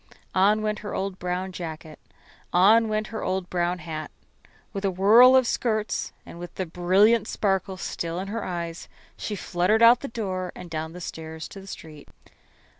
On went her old brown jacket; on went her old brown hat. With a whirl of skirts and with the brilliant sparkle still in her eyes, she fluttered out the door and down the stairs to the street.